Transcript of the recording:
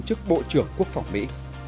trước bộ trưởng quốc phòng mỹ